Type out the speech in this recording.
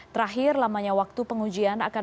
terakhir lamanya waktu pengujian akan